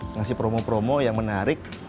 ngasih promo promo yang menarik